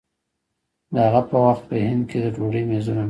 د هغه وخت په هند کې د ډوډۍ مېزونه نه وو.